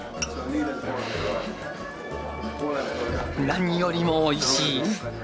何よりもおいしい。